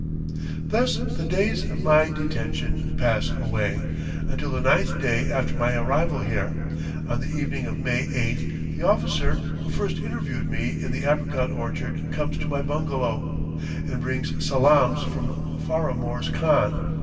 Thus the days of my detention pass away, until the ninth day after my arrival here. On the evening of May 8th, the officer who first interviewed me in the apricot orchard comes to my bungalow, and brings salaams from Faramorz Khan.